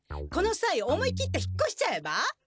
このさい思い切って引っこしちゃえば？